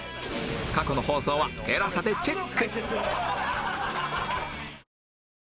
過去の放送は ＴＥＬＡＳＡ でチェック！